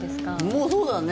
もうそうだね。